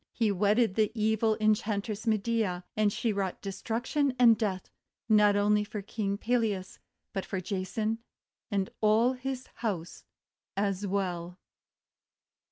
He wedded the evil En chantress Medea; and she wrought destruction and death not only for King Peleas but for Jason and all his house as well.